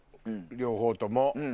両方とも。